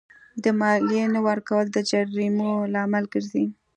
د مالیې نه ورکول د جریمو لامل ګرځي.